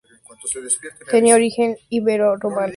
Tenía origen ibero-romano.